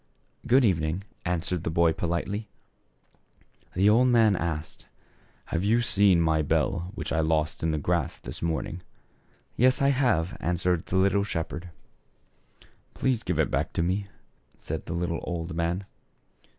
" Good evening," answered the boy politely. The old man asked, "Have you found my bfell which I lost in the grass this morning ?"" Yes, I have," answered the little shepherd. "Please give it back to me," said the little old man.